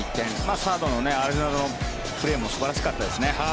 サードのアレナドのプレーも素晴らしかったですね。